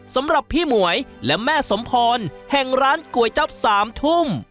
สำหรับพี่หมวยและแม่สมพรแห่งร้านก๋วยจั๊บ๓ทุ่ม